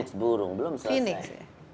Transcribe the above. itu phoenix burung belum selesai